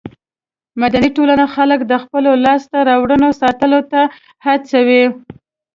مدني ټولنې خلک د خپلو لاسته راوړنو ساتلو ته هڅوي.